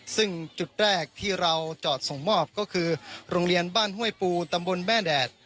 ซึ่งจุดแรกที่เราจอดส่งมอบก็คือโรงเรียนบ้านห้วยปูตำบลแม่แดด